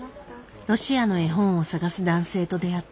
ロシアの絵本を探す男性と出会った。